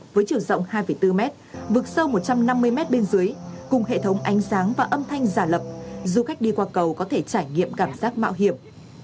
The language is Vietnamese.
với chiều rộng hai bốn m vực sâu một trăm năm mươi m bên dưới cùng hệ thống ánh sáng và âm thanh giả lập du khách đi qua cầu có thể trải nghiệm cảm giác mạo hiểm